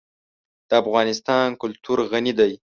د افغانستان کلتور غني دی.